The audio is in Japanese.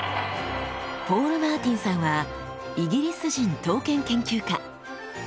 ポール・マーティンさんはイギリス人刀剣研究家。